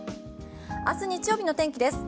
明日、日曜日の天気です。